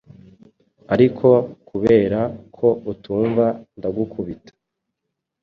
ariko kubera ko utumva ndagukubita